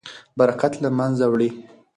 برکت له منځه وړي.